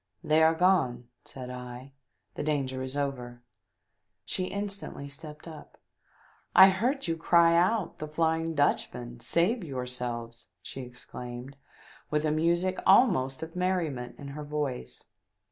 "They are gone," said I, "the danger is over." She instantly stepped up. " I heard you cry out 'The Flying Dutch man ! Save yourselves !'" she exclaimed, with a music almost of merriment in her voice.